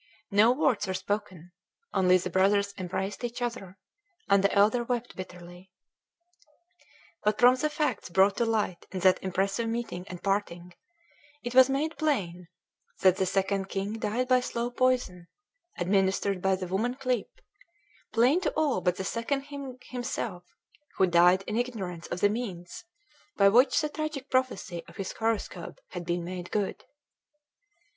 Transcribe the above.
No words were spoken; only the brothers embraced each other, and the elder wept bitterly. But from the facts brought to light in that impressive meeting and parting, it was made plain that the Second King died by slow poison, administered by the woman Kliep, plain to all but the Second King himself, who died in ignorance of the means by which the tragic prophecy of his horoscope had been made good.